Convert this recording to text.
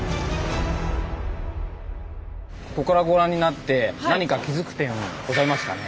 ここからご覧になって何か気付く点ございますかね。